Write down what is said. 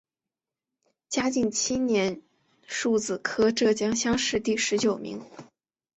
嘉靖七年戊子科浙江乡试第十九名。